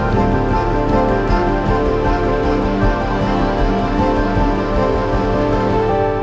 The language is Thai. โปรดติดตามตอนต่อไป